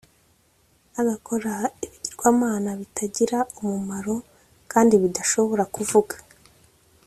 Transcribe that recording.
Agakora ibigirwamana bitagira umumaro kandi bidashobora kuvuga